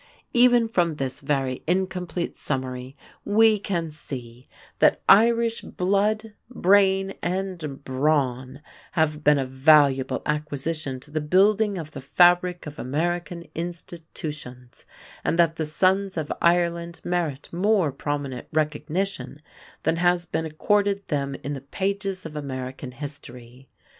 Even from this very incomplete summary, we can see that Irish blood, brain, and brawn have been a valuable acquisition to the building of the fabric of American institutions, and that the sons of Ireland merit more prominent recognition than has been accorded them in the pages of American history.